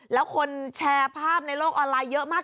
แล้วคนแชร์ภาพในโลกออนไลน์เยอะมาก